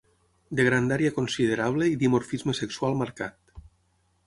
De grandària considerable i dimorfisme sexual marcat.